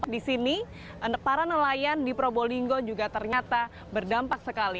di sini para nelayan di probolinggo juga ternyata berdampak sekali